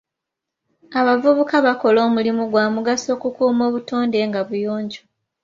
Abavubuka bakola omulimu gwa mugaso okukuuma obutonde nga buyonjo.